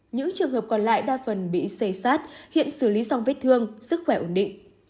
những trường hợp còn lại đa phần bị xây sát hiện xử lý xong vết thương sức khỏe ổn định